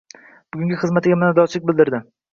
Bugungi xizmatiga minnatdorchilik bildirdi.